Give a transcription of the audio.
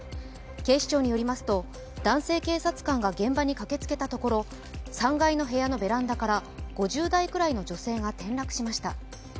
警視庁によりますと男性警察官が現場に駆けつけたところ、３階の部屋のベランダから５０代くらいの女性が転落しました。